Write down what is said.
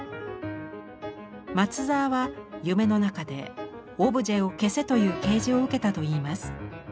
松澤は夢の中で「オブジェを消せ」という啓示を受けたといいます。